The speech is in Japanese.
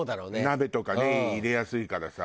鍋とかに入れやすいからさ。